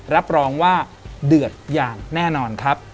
รับรองว่าเดือดอย่างแน่นอนครับ